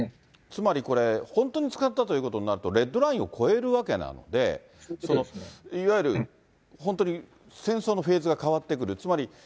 つまりこれ、本当に使ったということになると、レッドラインを超えるわけなので、いわゆる本当に戦争のフェーズが変わってくる。